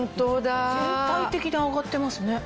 全体的に上がってますね。